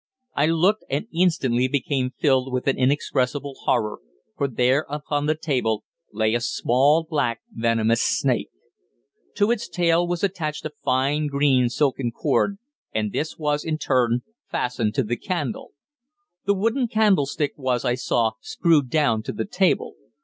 I looked, and instantly became filled with an inexpressible horror, for there, upon the table, lay a small, black, venomous snake. To its tail was attached a fine green silken cord, and this was, in turn, fastened to the candle. The wooden candle stick was, I saw, screwed down to the table.